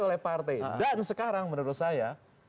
oleh partai dan sekarang menurut saya